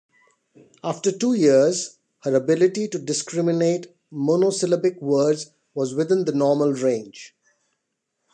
After two years, her ability to discriminate monosyllabic words was within the normal range.